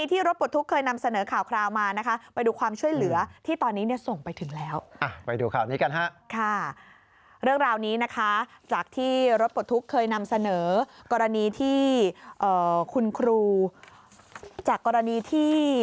ที่รถปลดทุกข์เคยนำเสนอกรณีที่คุณครูจากกรณีที่